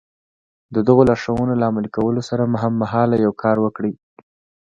د دغو لارښوونو له عملي کولو سره هممهاله يو کار وکړئ.